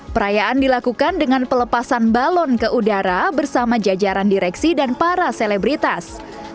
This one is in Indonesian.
perayaan dilakukan dengan pelepasan balon ke udara bersama jajaran direksi dan para selebritas